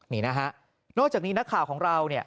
นี่นะฮะนอกจากนี้นักข่าวของเราเนี่ย